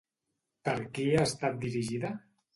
Per qui ha estat dirigida?